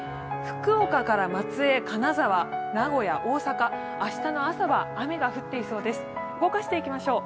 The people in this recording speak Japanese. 福岡から松江、金沢、大阪、名古屋、明日の朝は雨が降っていそうです。